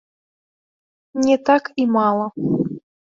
Не так і мала.